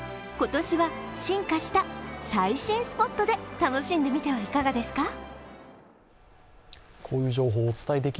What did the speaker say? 今年は進化した最新スポットで楽しんでみてはいかがですか。